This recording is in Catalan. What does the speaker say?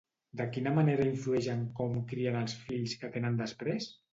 De quina manera influeix en com crien els fills que tenen després?